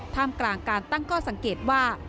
ท่ามกลางการตั้งข้อสังเกตว่า